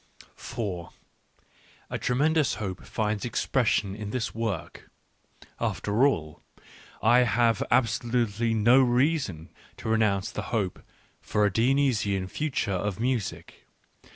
A tremendous hope finds expression in this work. After all, I have absolutely no reason to renounce the hope for a Dionysian future of music.